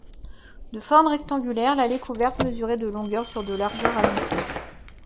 De forme rectangulaire, l'allée couverte mesurait de longueur sur de largeur à l'entrée.